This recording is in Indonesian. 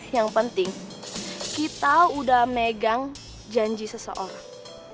yang penting kita udah megang janji seseorang